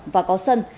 và có sân